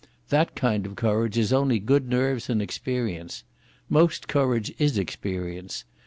That kind of courage is only good nerves and experience.... Most courage is experience.